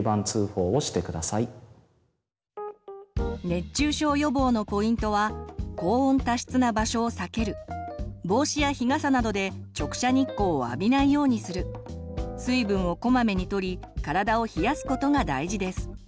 熱中症予防のポイントは高温・多湿な場所を避ける帽子や日傘などで直射日光を浴びないようにする水分をこまめにとり体を冷やすことが大事です。